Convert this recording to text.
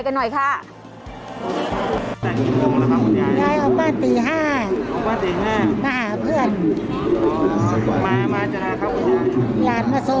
หลานมาส่งหลานมาส่งค่ะ